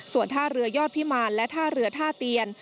ส่วนท่าเรือยอดพิมารและท่าเรือท่าเตียน